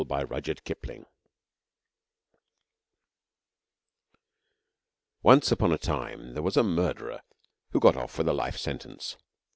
IV UP THE RIVER Once upon a time there was a murderer who got off with a life sentence.